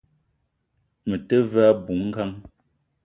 Me te ve a bou ngang